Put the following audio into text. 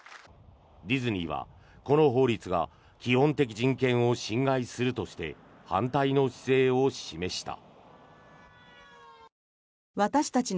ディズニーは、この法律が基本的人権を侵害するとして反対の姿勢を示した。